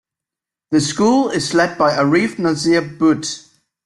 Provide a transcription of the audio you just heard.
The school is led by Arif Nazir Butt.